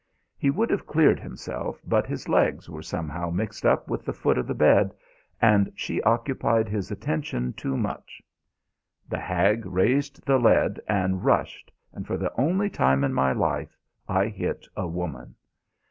He would have cleared himself, but his legs were somehow mixed up with the foot of the bed, and she occupied his attention too much. The hag raised the lead and rushed, and for the only time in my life I hit a woman.